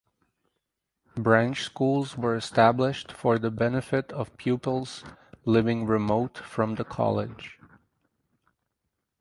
Branch schools were established for the benefit of pupils living remote from the college.